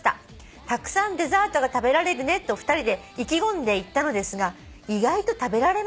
「『たくさんデザートが食べられるね』と２人で意気込んで行ったのですが意外と食べられませんでした」